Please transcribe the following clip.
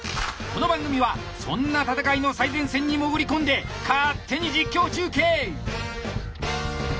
この番組はそんな戦いの最前線に潜り込んで勝手に実況中継！